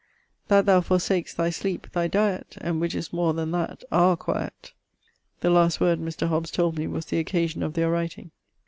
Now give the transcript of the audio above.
'That thou forsak'st thy sleepe, thy diet, And which is more then that, our quiet.' This last word Mr. Hobs told me was the occasion of their writing.